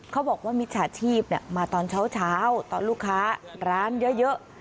เขาบอกว่ามิจฉาชีพมาตอนเช้าต่อลูกค้าร้านเยอะ